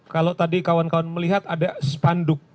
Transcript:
kalau tadi kawan kawan melihat ada spanduk